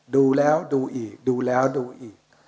ดูแล้วดูอีกดูแล้วดูอีก